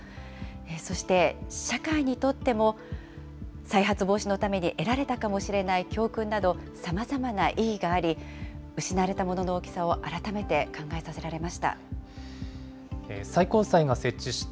そして、社会にとっても、再発防止のために得られたかもしれない教訓など、さまざまな意義があり、失われたものの大きさを改めて考えさせられました。